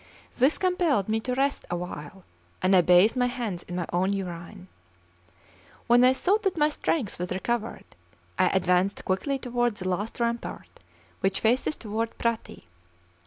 This compelled me to rest awhile, and I bathed my hands in my own urine. When I thought that my strength was recovered, I advanced quickly toward the last rampart, which faces toward Prati.